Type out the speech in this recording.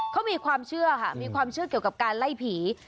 เขามีความเชื่อเกี่ยวกับการไล่ผี